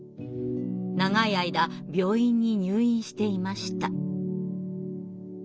長い間病院に入院していました。